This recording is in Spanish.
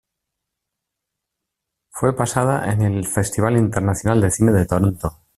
Fue pasada en el Festival Internacional de Cine de Toronto.